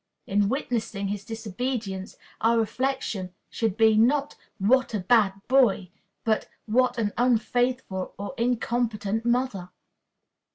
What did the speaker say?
In witnessing his disobedience, our reflection should be, not "What a bad boy!" but "What an unfaithful or incompetent mother!"